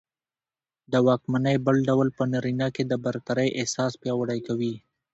د واکمنۍ بل ډول په نارينه کې د برترۍ احساس پياوړى کوي